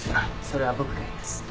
それは僕がやります。